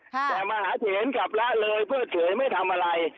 แต่มหาเถนกับละเลยเพิกเฉยไม่ทำอะไร